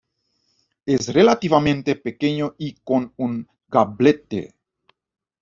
Es relativamente pequeño y con un gablete.